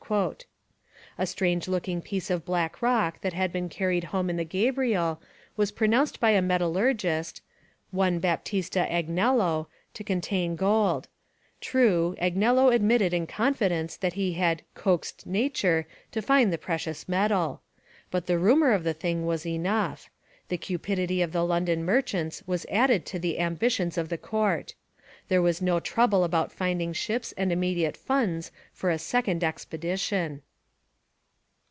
A strange looking piece of black rock that had been carried home in the Gabriel was pronounced by a metallurgist, one Baptista Agnello, to contain gold; true, Agnello admitted in confidence that he had 'coaxed nature' to find the precious metal. But the rumour of the thing was enough. The cupidity of the London merchants was added to the ambitions of the court. There was no trouble about finding ships and immediate funds for a second expedition.